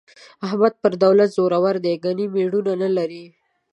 احمد په دولت زورو دی، ګني مېړونه نه لري.